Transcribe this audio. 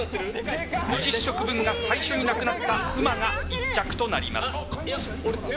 ２０食分が最初になくなったうまが１着となります。